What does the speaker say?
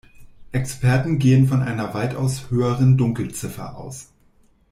Experten gehen von einer weitaus höheren Dunkelziffer aus.